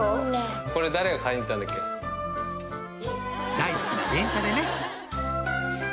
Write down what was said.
大好きな電車でね